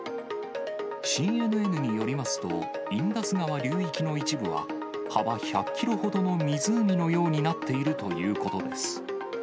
ＣＮＮによりますと、インダス川流域の一部は、幅１００キロほどの湖のようになっているということです。